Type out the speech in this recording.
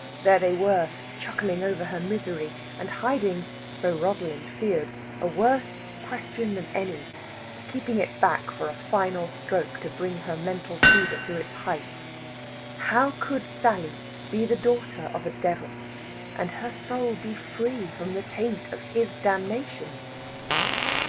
There they were, chuckling over her misery, and hiding so Rosalind feared a worse question than any, keeping it back for a final stroke to bring her mental fever to its height how could Sally be the daughter of a devil and her soul be free from the taint of his damnation?